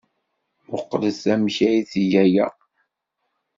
Mmuqlet amek ay ttgeɣ aya!